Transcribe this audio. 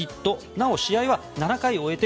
なお試合は７回を終えて